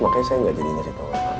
makanya saya gak jadi ngasih tau sama kamu